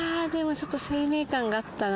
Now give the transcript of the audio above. ちょっと生命感があったな